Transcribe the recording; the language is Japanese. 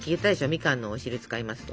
みかんのお汁使いますと。